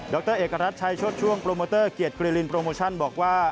รเอกรัฐชัยชดช่วงโปรโมเตอร์เกียรติกรีลินโปรโมชั่นบอกว่า